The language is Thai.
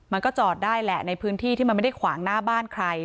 มันก็จอดได้แหละในพื้นที่ที่มันไม่ได้ขวางหน้าบ้านใคร